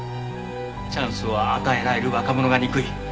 チャンスを与えられる若者が憎い。